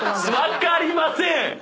分かりません！